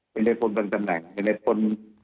เป็นในพลบางตำแหน่งเป็นในพล